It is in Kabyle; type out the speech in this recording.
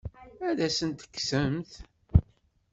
Ad asen-t-tekksemt?